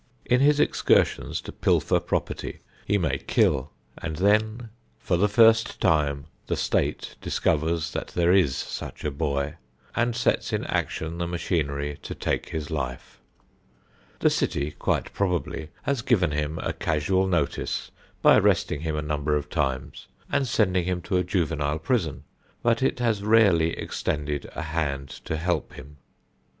In his excursions to pilfer property he may kill, and then for the first time the State discovers that there is such a boy and sets in action the machinery to take his life. The city quite probably has given him a casual notice by arresting him a number of times and sending him to a juvenile prison, but it has rarely extended a hand to help him.